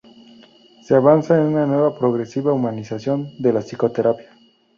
Se avanza en una nueva progresiva humanización de la psicoterapia.